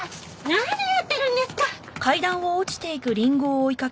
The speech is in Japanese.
何やってるんですか！